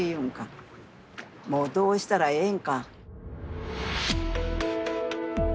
もうどうしたらええんか。